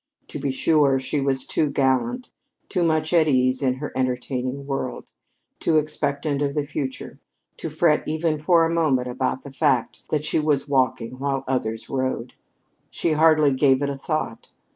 To be sure, she was too gallant, too much at ease in her entertaining world, too expectant of the future, to fret even for a moment about the fact that she was walking while others rode. She hardly gave it a thought.